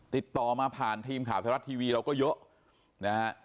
ติดต่อมาผ่านทีมข่าวไทยรัฐทีวีเราก็เยอะนะฮะ